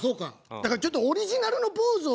だからちょっとオリジナルのポーズを。